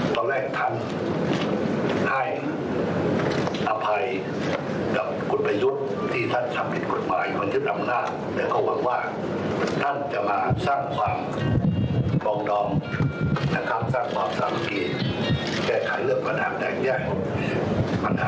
ตอนแรกท่านให้อภัยกับกฎประยุทธ์ที่ท่านทำผิดกฎหมาย